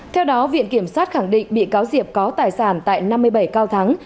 theo đó viện kiểm sát khẳng định bị cáo diệp có tài sản tại năm mươi bảy cao thắng